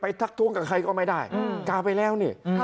ไปทักทวงกับใครก็ไม่ได้กาไปแล้วเนี่ย